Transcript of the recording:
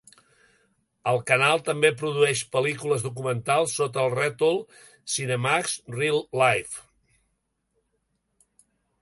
El canal també produeix pel·lícules documentals sota el rètol "Cinemax Reel Life".